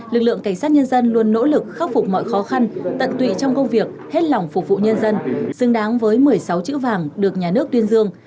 lực lượng cảnh sát nhân dân luôn nỗ lực khắc phục mọi khó khăn tận tụy trong công việc hết lòng phục vụ nhân dân xứng đáng với một mươi sáu chữ vàng được nhà nước tuyên dương